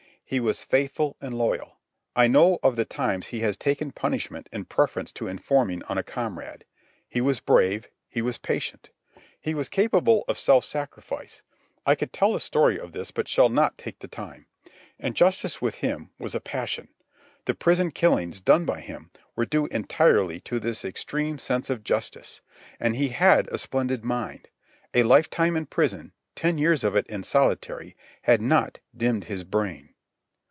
He was faithful and loyal. I know of the times he has taken punishment in preference to informing on a comrade. He was brave. He was patient. He was capable of self sacrifice—I could tell a story of this, but shall not take the time. And justice, with him, was a passion. The prison killings done by him were due entirely to this extreme sense of justice. And he had a splendid mind. A lifetime in prison, ten years of it in solitary, had not dimmed his brain.